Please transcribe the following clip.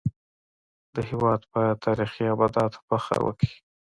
د هېواد په تاريخي ابداتو فخر وکړئ.